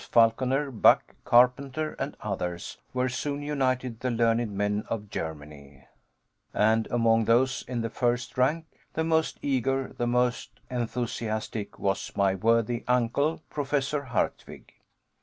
Falconer, Buck, Carpenter, and others were soon united the learned men of Germany, and among those in the first rank, the most eager, the most enthusiastic, was my worthy uncle, Professor Hardwigg.